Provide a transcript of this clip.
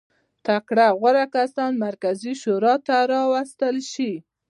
تکړه او غوره کسان مرکزي شورا ته راوستل شي.